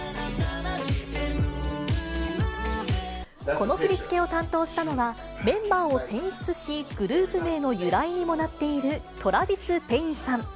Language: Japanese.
この振り付けを担当したのは、メンバーを選出し、グループ名の由来にもなっているトラヴィス・ペインさん。